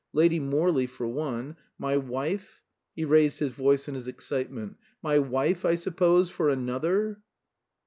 Lady Morley, for one. My wife," he raised his voice in his excitement, "my wife, I suppose, for another?"